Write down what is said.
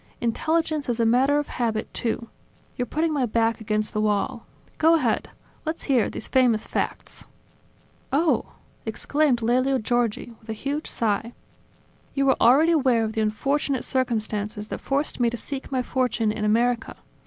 Intelligence is a matter of habit, too. You're putting my back against the wall. Go ahead. Let's hear these famous facts." "Oh! ..." exclaimed Lelio Giorgi with a huge sigh. "You are already aware of the unfortunate circumstances that forced me to seek my fortune in America.